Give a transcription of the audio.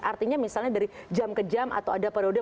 artinya misalnya dari jam ke jam atau ada periode